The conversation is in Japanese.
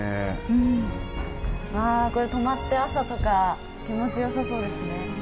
これ泊まって朝とか気持ちよさそうですね。